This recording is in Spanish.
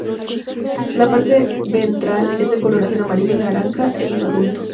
La parte ventral es de coloración amarilla y naranja en los adultos.